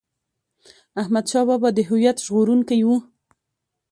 احمد شاه بابا د هویت ژغورونکی و.